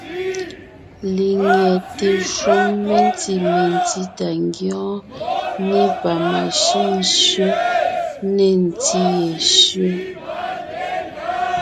Lenyɛte shúm mentí tà ngyɔ́ɔn, nê pamashʉ́ŋ sẅé, nê ntí ye sẅé,